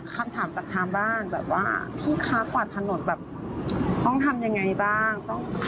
คำถามต่างบ้าง